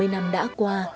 bảy mươi năm đã qua